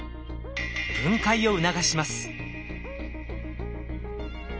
分解を促します。